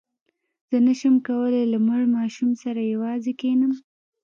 زه نه شم کولای له مړ ماشوم سره یوازې کښېنم.